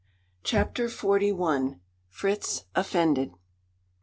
CHAPTER FORTY ONE. FRITZ OFFENDED.